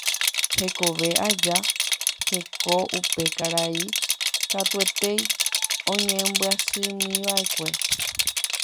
Hekove aja jeko upe karai katuetei oñembyasymíva'ekue